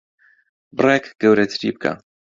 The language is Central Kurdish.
بڕێک گەورەتری بکە.